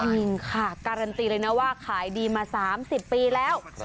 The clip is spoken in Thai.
จริงค่ะการันตีเลยนะว่าขายดีมา๓๐ปีแล้ว